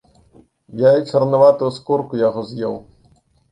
Я і чарнаватую скурку яго з'еў.